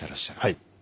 はい。